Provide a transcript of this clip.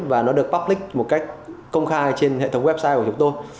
và nó được public một cách công khai trên hệ thống website của chúng tôi